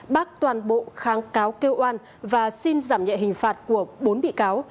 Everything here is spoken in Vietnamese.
bác toàn bộ kháng cáo kêu oan và xin giảm nhẹ hình phạt của bốn bị cáo